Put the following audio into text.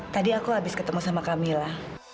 tadi aku abis ketemu sama kamila